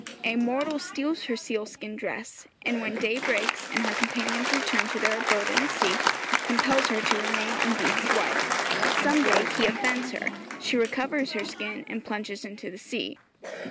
A mortal steals her sealskin dress, and when day breaks, and her companions return to their abode in the sea, compels her to remain and be his wife. Some day he offends her; she recovers her skin and plunges into the sea.